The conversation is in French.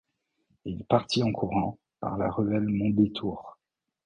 Et il partit en courant par la ruelle Mondétour.